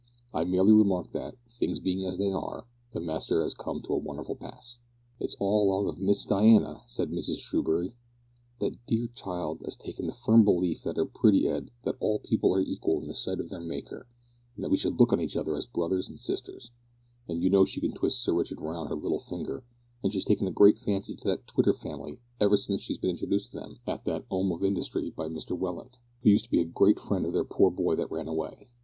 I merely remark that, things being as they are, the master 'as come to a wonderful pass." "It's all along of Miss Diana," said Mrs Screwbury. "That dear child 'as taken the firm belief into her pretty 'ead that all people are equal in the sight of their Maker, and that we should look on each other as brothers and sisters, and you know she can twist Sir Richard round her little finger, and she's taken a great fancy to that Twitter family ever since she's been introduced to them at that 'Ome of Industry by Mr Welland, who used to be a great friend of their poor boy that ran away.